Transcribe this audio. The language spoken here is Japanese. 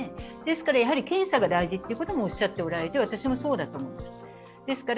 ですから検査が大事ということもおっしゃっておられて私もそうだと思うんです。